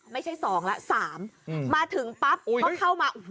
ไม่ใช่สองล่ะสามมาถึงปั๊บเขาเข้ามา